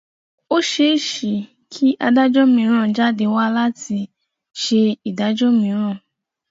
Ó ṣeéṣe kí adájọ́ míràn jáde wá láti ṣe ìdájọ́ mìíràn.